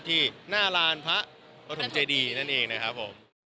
ที่หน้าลานพระปฐมเจดีนั่นเองนะครับผม